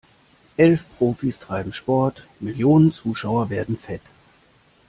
Elf Profis treiben Sport, Millionen Zuschauer werden fett.